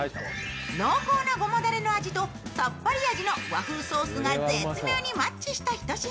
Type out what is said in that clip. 濃厚なごまだれの味とさっぱり味の和風ソースが絶妙にマッチしたひと品。